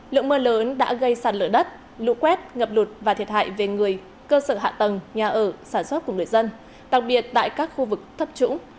lượng mưa lớn đã gây sạt lở đất lũ quét ngập lụt và thiệt hại về người cơ sở hạ tầng nhà ở sản xuất của người dân đặc biệt tại các khu vực thấp trũng